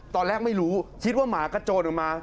ตอนแรกไม่รู้คิดว่าหมากระโจนออกมา